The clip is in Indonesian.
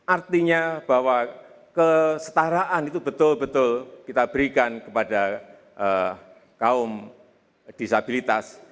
artinya bahwa kesetaraan itu betul betul kita berikan kepada kaum disabilitas